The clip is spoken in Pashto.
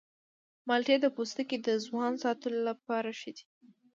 مالټې د پوستکي د ځوان ساتلو لپاره ښه دي.